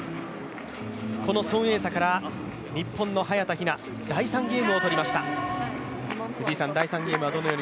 この孫エイ莎から日本の早田ひな、第３ゲームをとりました。